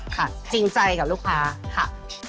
จริงใจกับลูกค้าค่ะ